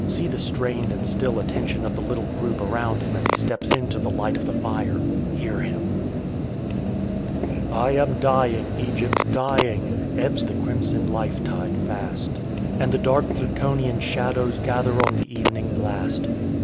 See the strained and still attention of the little group around him as he steps into the light of the fire! Hear him! "I am dying, Egypt, dying! Ebbs the crimson life tide fast, And the dark Plutonian shadows Gather on the evening blast.